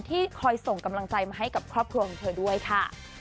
ที่คอยส่งกำลังใจมาให้กับครอบครัวของเธอด้วยค่ะ